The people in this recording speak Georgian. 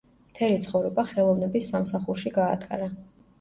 მთელი ცხოვრება ხელოვნების სამსახურში გაატარა.